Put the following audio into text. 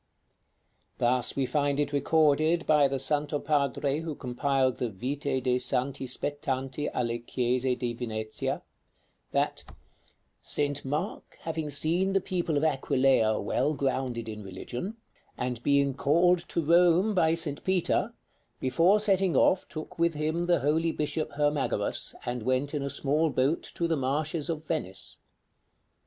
Thus we find it recorded by the Santo Padre who compiled the "Vite de' Santi spettanti alle Chiese di Venezia," that "St. Mark having seen the people of Aquileia well grounded in religion, and being called to Rome by St. Peter, before setting off took with him the holy bishop Hermagoras, and went in a small boat to the marshes of Venice.